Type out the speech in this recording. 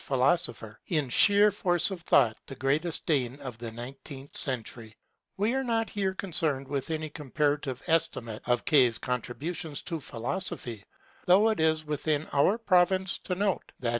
philos opher ; in sheer force of thought, the greatest Dane of the 19th cent. We are not here concerned with any comparative estimate of K.'s contributions to philosophy ; though it is within our province to note that hi.